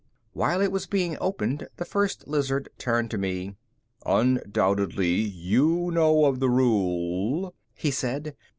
While it was being opened, the First Lizard turned to me. "Undoubtedly you know of the rule," he said.